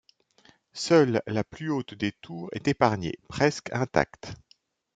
Seule la plus haute des tours est épargnée, presque intacte.